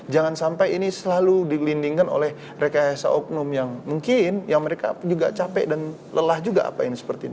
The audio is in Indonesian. jangan sampai ini selalu digelindingkan oleh rekayasa oknum yang mungkin yang mereka juga capek dan lelah juga apa ini seperti ini